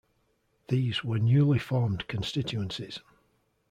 These were newly formed constituencies.